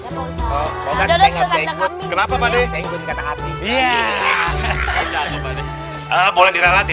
semua santriwan ikut dengan ustadz diwarang pade